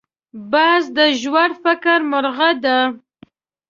باز د ژور فکر مرغه دی